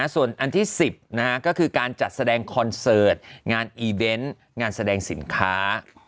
ส่วนอันที่๑๐ก็คือการจัดแสดงคอนเสิร์ตงานอีเวนต์งานแสดงสินค้า